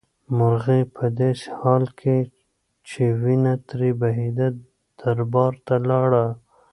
مرغۍ په داسې حال کې چې وینه ترې بهېده دربار ته لاړه.